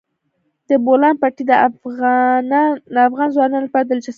د بولان پټي د افغان ځوانانو لپاره دلچسپي لري.